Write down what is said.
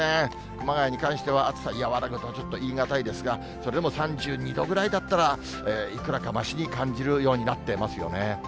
熊谷に関しては、暑さ和らぐとはちょっと言い難いですが、それでも３２度ぐらいだったらいくらかましに感じるようになってますよね。